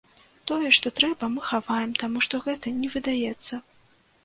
Тое, што трэба, мы хаваем, таму што гэта не выдаецца.